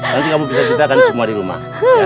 nanti kamu bisa ceritakan semua di rumah